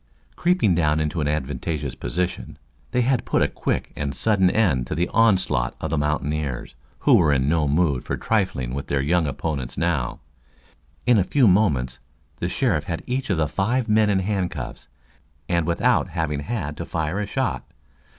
Creeping down into an advantageous position, they had put a quick and sudden end to the onslaught of the mountaineers, who were in no mood for trifling with their young opponents now. In a few moments the sheriff had each of the five men in handcuffs, and without having had to fire a shot.